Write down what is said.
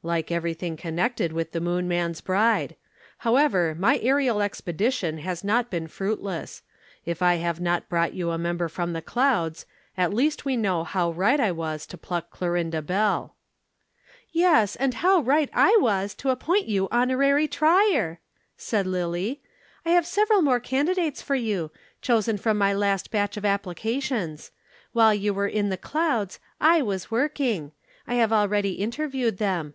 "Like everything connected with the Moon man's bride. However, my aerial expedition has not been fruitless; if I have not brought you a member from the clouds, at least we know how right I was to pluck Clorinda Bell." "Yes, and how right I was to appoint you Honorary Trier!" said Lillie. "I have several more candidates for you, chosen from my last batch of applications. While you were in the clouds, I was working. I have already interviewed them.